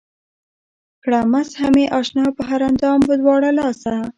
کړه مسحه مې اشنا پۀ هر اندام پۀ دواړه لاسه